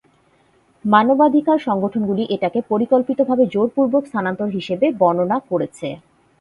মানবাধিকার সংগঠনগুলি এটাকে পরিকল্পিতভাবে জোরপূর্বক স্থানান্তর হিসাবে বর্ণনা করেছে।